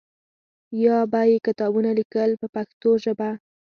یا به یې کتابونه لیکل په پښتو ژبه.